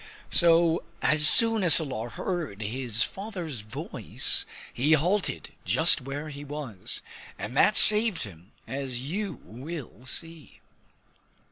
So as soon as Salar heard his father's voice, he halted just where he was. And that saved him, as you will see.